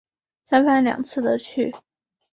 三番两次的去